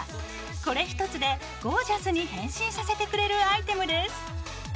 これ一つでゴージャスに変身させてくれるアイテムです。